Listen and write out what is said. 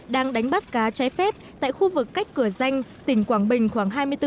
đang đánh bắt cá trái phép tại khu vực cách cửa danh tỉnh quảng bình khoảng hai mươi bốn